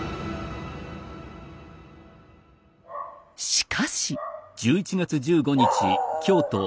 しかし。